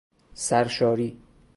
سر شاری